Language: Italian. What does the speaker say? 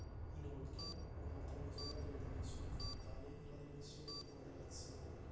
Inoltre, un'altra misura delle dimensioni frattali è la dimensione di correlazione.